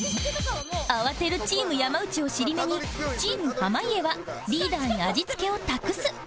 慌てるチーム山内を尻目にチーム濱家はリーダーに味付けを託す